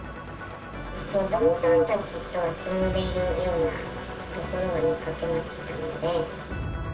子どもさんたちと遊んでいるようなところは見かけましたよね。